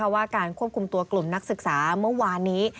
ว่าการควบคุมตัวกลุ่มนักศึกษาเมื่อวานนี้